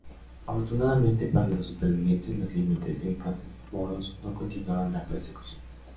Afortunadamente para los supervivientes, los jinetes e infantes moros no continuaron la persecución.